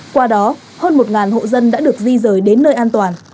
qua đó hơn một hộ dân đã được di rời đến nơi an toàn